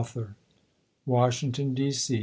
Washington, D. C.